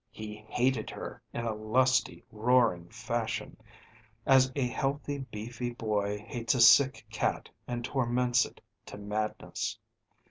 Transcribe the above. He hated her in a lusty, roaring fashion, as a healthy beefy boy hates a sick cat and torments it to madness.